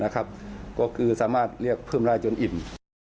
ก็คือสามารถเรียกเพิ่มได้จนอิ่ม